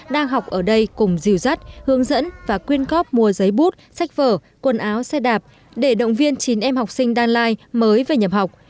đang học ở đây cùng dìu dắt hướng dẫn và quyên góp mua giấy bút sách vở quần áo xe đạp để động viên chín em học sinh đan lai mới về nhập học